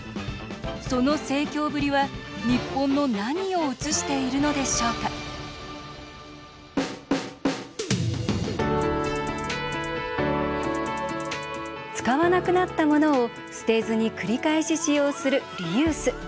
その盛況ぶりは、日本の何を映しているのでしょうか使わなくなったものを捨てずに繰り返し使用するリユース。